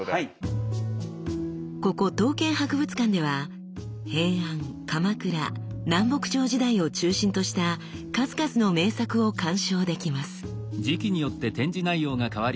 ここ刀剣博物館では平安鎌倉南北朝時代を中心とした数々の名作を鑑賞できます。